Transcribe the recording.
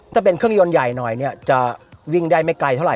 ถ้าเป็นเครื่องยนต์ใหญ่หน่อยเนี่ยจะวิ่งได้ไม่ไกลเท่าไ